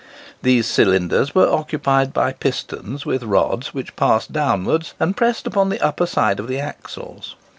These cylinders were occupied by pistons with rods, which passed downwards and pressed upon the upper side of the axles.